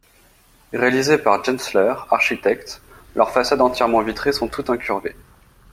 Réalisées par Gensler architectes, leurs façades entièrement vitrées sont toutes incurvées.